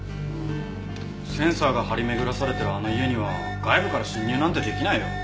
センサーが張り巡らされてるあの家には外部から侵入なんて出来ないよ。